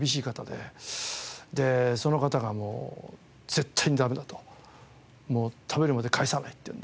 でその方がもう「絶対にダメだ」と「食べるまで帰さない」って言うんで。